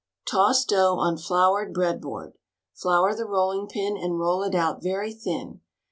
Toss dough on floured bread board. Flour the rolling pin and roll it out very thin.